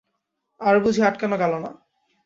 আর বুঝি আটকানো গেল না।